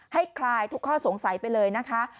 คลายทุกข้อสงสัยไปเลยนะคะ